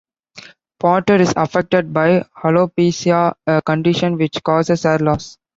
Porter is affected by alopecia, a condition which causes hair loss.